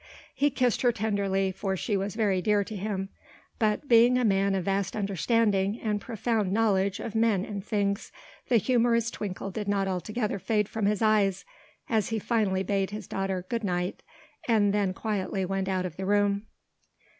He kissed her tenderly, for she was very dear to him, but being a man of vast understanding and profound knowledge of men and things, the humorous twinkle did not altogether fade from his eyes as he finally bade his daughter "Good night," and then quietly went out of the room.